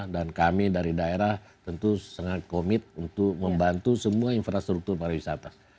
dan kami dari daerah tentu sangat komit untuk membantu semua infrastruktur pariwisata